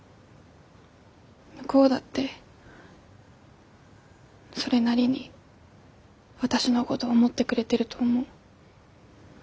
向こうだってそれなりに私のごど思ってくれてると思う。